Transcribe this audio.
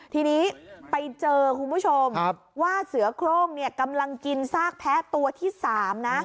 ทีนี้ไปเจอคุณผู้ชมว่าเสือโครงกำลังกินซากแพ้ตัวที่๓นะ